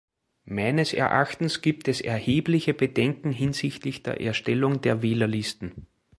Meines Erachtens gibt es erhebliche Bedenken hinsichtlich der Erstellung der Wählerlisten.